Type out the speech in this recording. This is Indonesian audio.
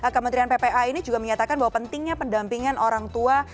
kementerian ppa ini juga menyatakan bahwa pentingnya pendampingan orang tua